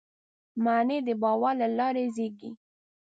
معنی د باور له لارې زېږي.